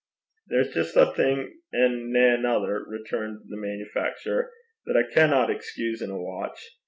'There's just ae thing, an' nae anither,' returned the manufacturer, 'that I cannot excuse in a watch.